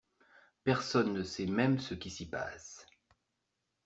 Personne ne sait même ce qui s’y passe.